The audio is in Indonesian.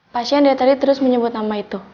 pasien dari tadi terus menyebut nama itu